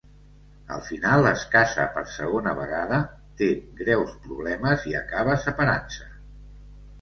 Al final, es casa per segona vegada, té greus problemes i acaba separant-se.